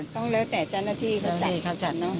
ต้องแล้วแต่เจ้าหน้าที่เขาจัดเขาจัดเนอะ